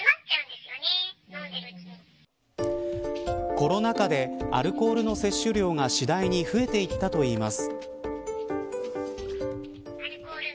コロナ禍でアルコールの摂取量が次第に増えていったといいます。